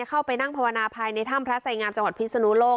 เข้าไปนั่งภาวนาภายในถ้ำพระไสงามจังหวัดพิศนุโลก